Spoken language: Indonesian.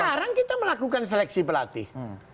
sekarang kita melakukan seleksi pelatih